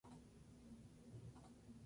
Meeks esquina con Gral.